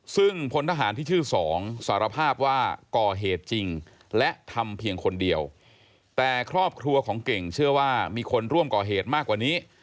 ซึ่งพลทหารที่ชื่อสองสารภาพว่าก่อเหตุจริงและทำเพียงคนเดียวแต่ครอบครัวของเก่งเชื่อว่ามีคนร่วมก่อเหตุมากกว่านี้